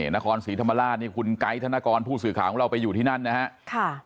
นครศรีธรรมราชนี่คุณไกด์ธนกรผู้สื่อข่าวของเราไปอยู่ที่นั่นนะฮะ